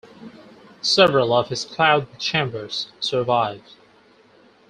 Several of his cloud chambers survive.